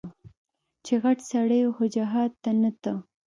چې غټ سړى و خو جهاد ته نه ته.